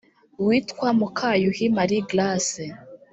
witwa mukayuhi marie grace